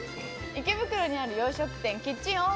池袋にある洋食店、キッチンＯｈ！